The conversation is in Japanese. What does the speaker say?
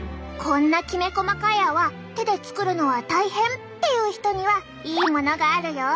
こんなきめ細かい泡手で作るのは大変っていう人にはいいものがあるよ！